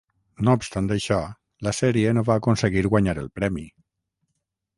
No obstant això, la sèrie no va aconseguir guanyar el premi.